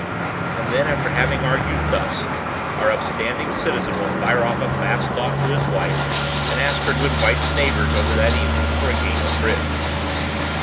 And then after having argued thus, our upstanding citizen will fire off a fast thought to his wife and ask her to invite the neighbors over that evening for a game of bridge.